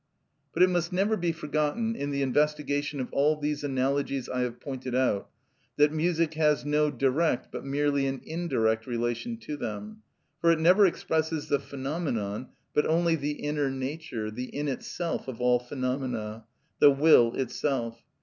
But it must never be forgotten, in the investigation of all these analogies I have pointed out, that music has no direct, but merely an indirect relation to them, for it never expresses the phenomenon, but only the inner nature, the in itself of all phenomena, the will itself.